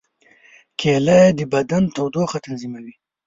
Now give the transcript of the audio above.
کېله د بدن تودوخه تنظیموي.